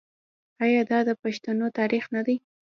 آیا دا د پښتنو تاریخ نه دی؟